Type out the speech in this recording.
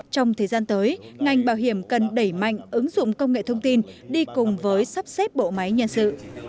trong thời gian tới ngành bảo hiểm cần đẩy mạnh ứng dụng công nghệ thông tin đi cùng với sắp xếp bộ máy nhân sự